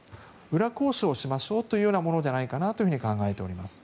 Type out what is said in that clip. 裏交渉をしましょうというものじゃないかなと考えております。